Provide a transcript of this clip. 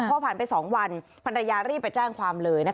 พอผ่านไป๒วันภรรยารีบไปแจ้งความเลย